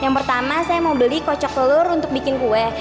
yang pertama saya mau beli kocok telur untuk bikin kue